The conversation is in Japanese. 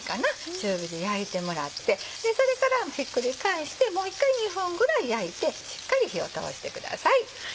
中火で焼いてもらってそれからひっくり返してもう１回２分ぐらい焼いてしっかり火を通してください。